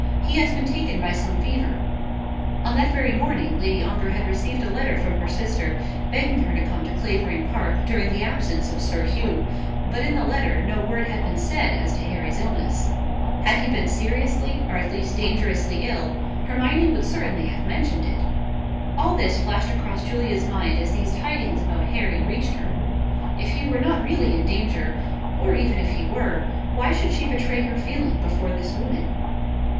He has been taken by some fever." On that very morning Lady Ongar had received a letter from her sister, begging her to come to Clavering Park during the absence of Sir Hugh; but in the letter no word had been said as to Harry's illness. Had he been seriously, or at least dangerously ill, Hermione would certainly have mentioned it. All this flashed across Julia's mind as these tidings about Harry reached her. If he were not really in danger, or even if he were, why should she betray her feeling before this woman?